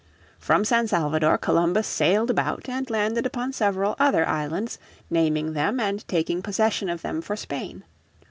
From San Salvador Columbus sailed about and landed upon several other islands, naming them and taking possession of them for Spain.